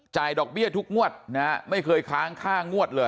ดอกเบี้ยทุกงวดนะฮะไม่เคยค้างค่างวดเลย